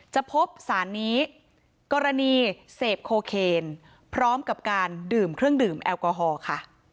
พบสารนี้กรณีเสพโคเคนพร้อมกับการดื่มเครื่องดื่มแอลกอฮอล์ค่ะ